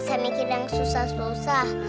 biasa mikirin yang susah susah